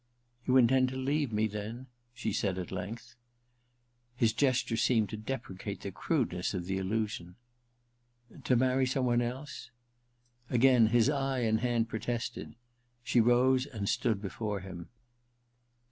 * You intend to leave me, then ?' she said at length. His gesture seemed to deprecate the crude ness of the allusion. * To marry some one else ?' Again his eye and hand protested. She rose and stood before him.